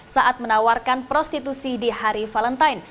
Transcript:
saat menawarkan prostitusi di hari valentine